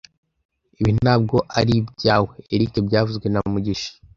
Ibi ntabwo ari ibyawe, Eric byavuzwe na mugisha